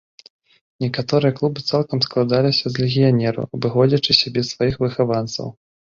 Некаторыя клубы цалкам складаліся з легіянераў, абыходзячыся без сваіх выхаванцаў.